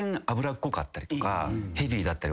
ヘビーだったり。